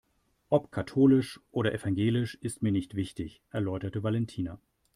Ob katholisch oder evangelisch ist mir nicht wichtig, erläuterte Valentina.